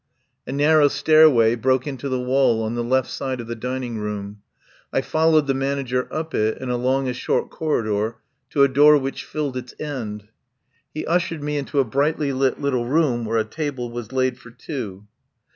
A narrow stairway broke into the wall on the left side of the dining room. I followed the manager up it and along a short corridor to a door which filled its end. He ushered 137 THE POWER HOUSE me into a brightly lit little room where a table was laid for two.